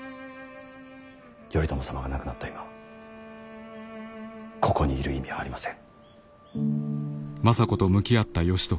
頼朝様が亡くなった今ここにいる意味はありません。